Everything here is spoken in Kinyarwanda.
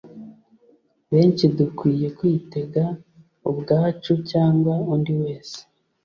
benshi dukwiye kwitega ubwacu cyangwa undi wese. ”